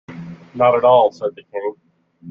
‘Not at all,’ said the King.